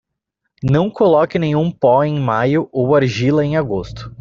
Não coloque nenhum pó em maio ou argila em agosto.